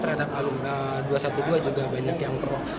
terhadap alumni dua ratus dua belas juga banyak yang pro